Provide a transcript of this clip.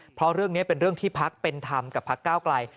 เพราะเรื่องนี้เป็นเรื่องที่พักเป็นธรรมกับพักก้าวไกล